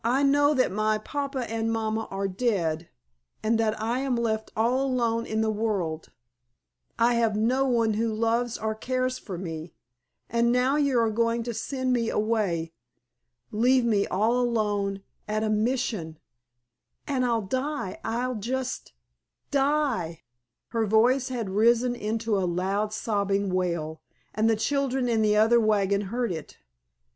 "I know that my papa and mama are dead and that I am left all alone in the world—I have no one who loves or cares for me—and now you are going to send me away—leave me all alone at a Mission—and I'll die—I'll just die——" Her voice had risen into a loud sobbing wail, and the children in the other wagon heard it.